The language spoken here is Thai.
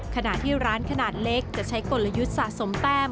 ขณะที่ร้านขนาดเล็กจะใช้กลยุทธ์สะสมแต้ม